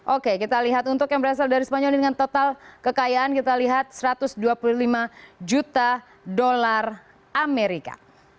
oke kita lihat untuk yang berasal dari spanyol dengan total kekayaan kita lihat satu ratus dua puluh lima juta dolar amerika